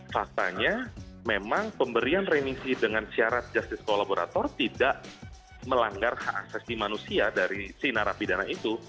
faktanya memang pemberian remisi dengan syarat justice kolaborator tidak melanggar hak asasi manusia dari si narapidana itu